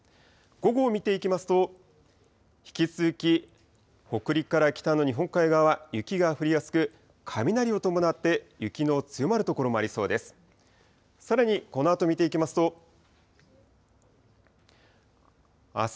午後を見ていきますと、引き続き、北陸から北の日本海側、雪が降りやすく、雷を伴って雪の強まる所もありそうです。